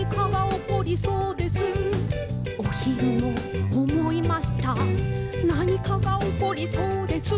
「おひるもおもいましたなにかがおこりそうです」